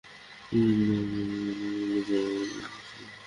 দারুণ, আপনি আনলক করেছেন!